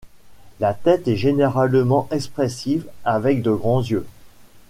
La tête est généralement expressive, avec de grands yeux.